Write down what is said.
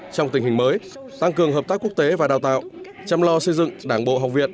trong tình hình mới tăng cường hợp tác quốc tế và đào tạo chăm lo xây dựng đảng bộ học viện